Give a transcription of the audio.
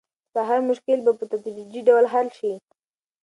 ستا هر مشکل به په تدریجي ډول حل شي.